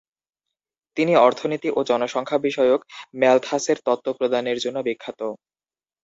তিনি অর্থনীতি ও জনসংখ্যা বিষয়ক ম্যালথাসের তত্ত্ব প্রদানের জন্য বিখ্যাত।